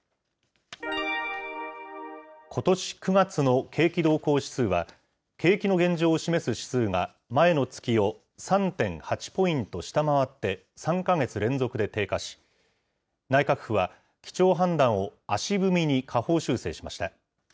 ことし９月の景気動向指数は、景気の現状を示す指数が前の月を３．８ポイント下回って、３か月連続で低下し、内閣府は基調判断を足踏みに下方修正しました。